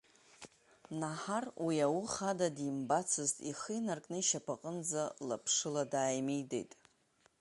Наҳар уи ауха ада димбаӡацызт, ихы инаркны ишьапаҟынӡа лаԥшыла дааимидеит.